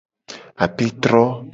Apetro.